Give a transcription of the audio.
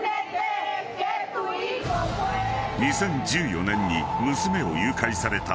［２０１４年に娘を誘拐された母親］